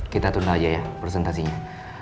kita turun aja ya presentasinya